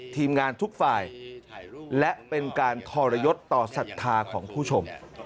ทีมงานทุกฝ่ายและเป็นการทรยศต่อศรัทธาของผู้ชม